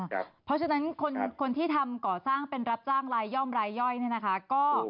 เพราะฉะนั้นคนที่ทำก่อสร้างเป็นรับจ้างรายย่อมรายย่อยเนี่ยนะคะ